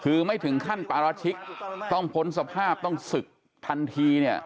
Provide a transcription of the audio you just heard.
คือไม่ถึงขั้นปราชิกต้องผลสภาพต้องศึกทันที